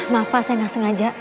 maaf pak saya gak sengaja